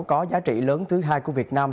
có giá trị lớn thứ hai của việt nam